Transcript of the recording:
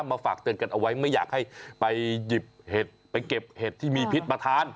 มาฝากเตือนกันเอาไว้ไม่อยากให้ไปหยิบเห็ดไปเก็บเห็ดที่มีพิษมาทาน